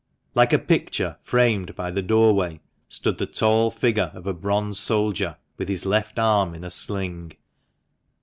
Like a picture framed by the doorway, stood the tall figure of a bronzed soldier, with his left arm in a sling.